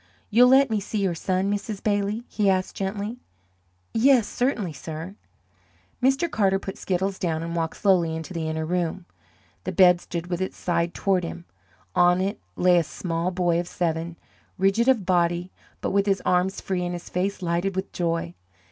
"You'll let me see your son, Mrs. Bailey?" he asked, gently. "Why, certainly, sir." Mr. Carter put Skiddles down and walked slowly into the inner room. The bed stood with its side toward him. On it lay a small boy of seven, rigid of body, but with his arms free and his face lighted with joy.